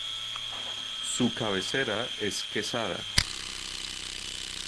Su cabecera es Quesada.